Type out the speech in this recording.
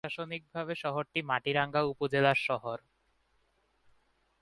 প্রশাসনিকভাবে শহরটি মাটিরাঙ্গা উপজেলার সদর।